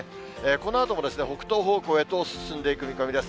このあとも北東方向へと進んでいく見込みです。